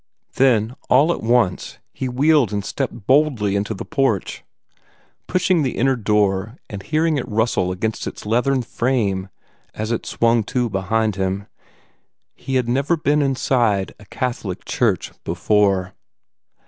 Then, all at once, he wheeled and stepped boldly into the porch, pushing the inner door open and hearing it rustle against its leathern frame as it swung to behind him. He had never been inside a Catholic church before.